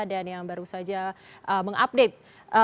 dan yang baru saja mengupdate